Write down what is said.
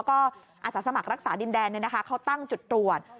ก็อาศาสมัครรักษาดินแดนเนี่ยนะคะเขาตั้งจุดตรวจ